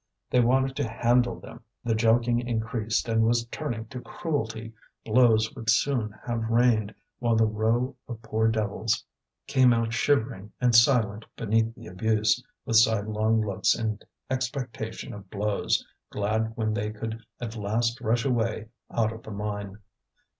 They wanted to handle them, the joking increased and was turning to cruelty, blows would soon have rained; while the row of poor devils came out shivering and silent beneath the abuse, with sidelong looks in expectation of blows, glad when they could at last rush away out of the mine.